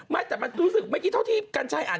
ไม่แต่มันรู้สึกเมื่อกี้เท่าที่กัญชัยอ่าน